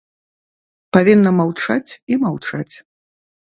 Павінна маўчаць і маўчаць.